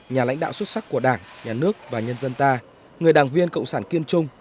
nhà lãnh đạo xuất sắc của đảng nhà nước và nhân dân ta người đảng viên cộng sản kiên trung